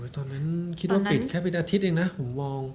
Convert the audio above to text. ตอนนั้นคิดว่าปิดแค่เป็นอาทิตย์เองนะผมมอง